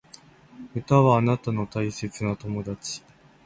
歌はあなたの大切な友達